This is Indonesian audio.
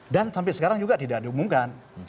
dan sampai sekarang juga tidak diumumkan